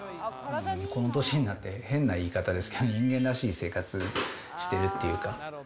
この年になって変な言い方ですけど、人間らしい生活してるっていうか。